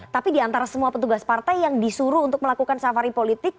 tapi diantara semua petugas partai yang disuruh untuk melakukan safari politik